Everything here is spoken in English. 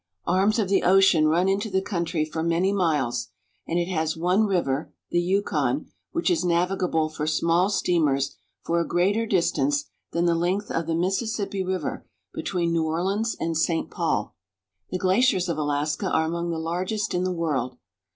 299 arms of the ocean run into the country for many miles; and it has one river, the Yukon, which is navigable for small steamers for a greater distance than the length of the Mississippi River between New Orleans and St. Paul. The glaciers of Alaska are among the largest in the world.